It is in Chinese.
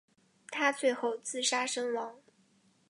他最后自杀身亡。